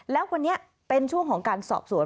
แล้ววันนี้เป็นช่วงของการสอบสวน